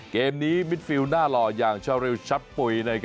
เกมนี้มิดฟิลหน้าหล่ออย่างชาริวชับปุ๋ย